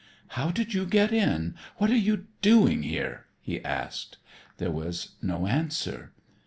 "How did you get in? What are you doing here?" he asked. There was no answer.